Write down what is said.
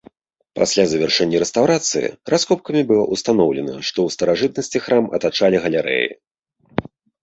Пасля завяршэння рэстаўрацыі раскопкамі было ўстаноўлена, што ў старажытнасці храм атачалі галерэі.